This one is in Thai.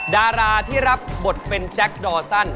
ดาราที่รับบทเป็นแจ็คดอร์ซัน